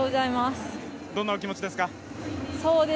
どんなお気持ちですか？